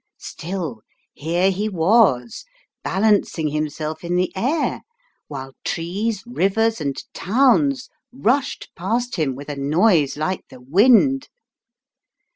Still here he was, balancing himself in the air, while trees, rivers, and towns rushed past him with a noise like the wind.